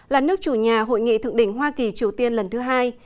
là nước chủ nhà hội nghị thượng đỉnh hoa kỳ triều tiên lần thứ hai